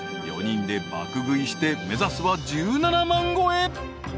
［４人で爆食いして目指すは１７万超え］